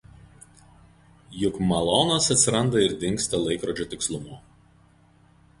Juk Malonas atsiranda ir dingsta laikrodžio tikslumu